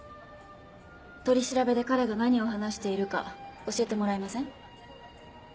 取り調べで彼が何を話しているか教えてもらえません？